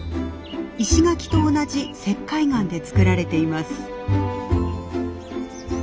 石垣と同じ石灰岩で造られています。